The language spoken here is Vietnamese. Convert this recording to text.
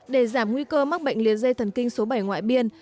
để giảm nguy cơ mắc bệnh lý dây thần kinh số bảy ngoại biên